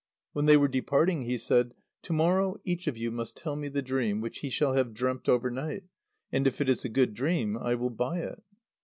When they were departing, he said: "To morrow each of you must tell me the dream which he shall have dreamt over night; and if it is a good dream I will buy it."